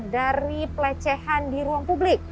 dari pelecehan di ruang publik